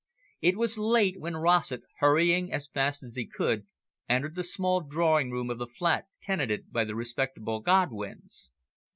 It was late when Rossett, hurrying as fast as he could, entered the small drawing room of the flat tenanted by the respectable Godwins.